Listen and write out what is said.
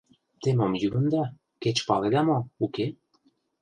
Те мом йӱында, кеч паледа мо, уке?